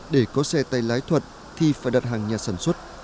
để có xe tay lái thuật thì phải đặt hàng nhà sản xuất